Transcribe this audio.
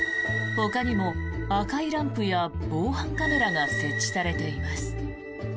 ほかにも赤いランプや防犯カメラが設置されています。